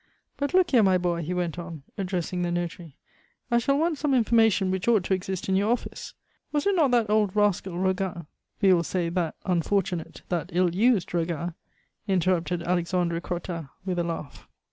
"But look here, my boy," he went on, addressing the notary, "I shall want some information which ought to exist in your office. Was it not that old rascal Roguin ?" "We will say that unfortunate, that ill used Roguin," interrupted Alexandre Crottat with a laugh.